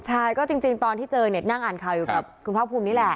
ใช่ก็จริงตอนที่เจอเนี่ยนั่งอ่านข่าวอยู่กับคุณภาคภูมินี่แหละ